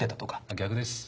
逆です